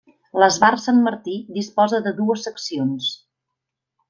L'Esbart Sant Martí disposa de dues seccions.